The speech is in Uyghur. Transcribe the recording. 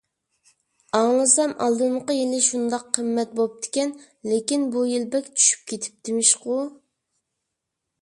ئاڭلىسام ئالدىنقى يىلى شۇنداق قىممەت بوپتىكەن. لېكىن بۇ يىل بەك چۈشۈپ كېتىپتىمىشقۇ!